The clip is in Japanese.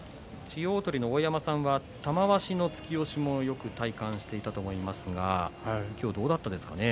千代鳳の大山さんは玉鷲の突きをよく体感していたと思いますが今日どうだったんですかね。